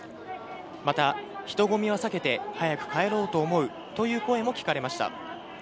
また、人混みを避けて、早く帰ろうと思うという声も聞かれました。